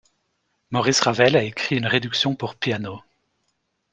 Maurice Ravel a écrit une réduction pour piano.